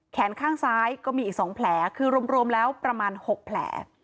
ข้างซ้ายก็มีอีก๒แผลคือรวมแล้วประมาณ๖แผล